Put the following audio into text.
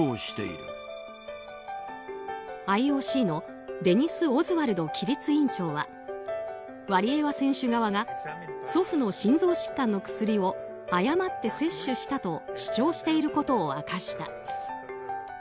ＩＯＣのデニス・オズワルド規律委員長はワリエワ選手側が祖父の心臓疾患の薬を誤って摂取したと主張していることを明かした。